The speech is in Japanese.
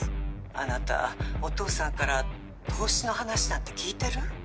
あなたお父さんから投資の話なんて聞いてる？